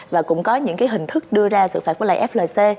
và cũng có những cái hình thức đưa ra sự phạt của lại flc